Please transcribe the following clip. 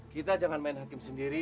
kita jangan main hakim sendiri